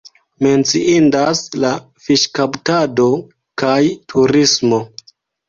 Menciindas la fiŝkaptado kaj turismo.